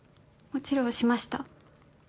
もちろんしました。